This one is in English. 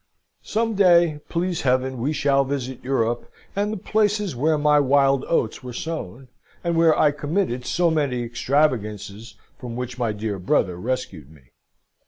Some day, please Heaven, we shall visit Europe, and the places where my wild oats were sown, and where I committed so many extravagances from which my dear brother rescued me.